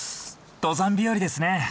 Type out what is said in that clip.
登山日和ですね。